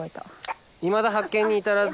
いまだ発見に至らず。